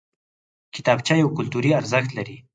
کتابچه یو کلتوري ارزښت لري